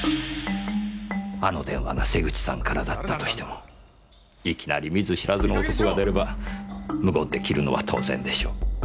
あの電話が瀬口さんからだったとしてもいきなり見ず知らずの男が出れば無言で切るのは当然でしょう。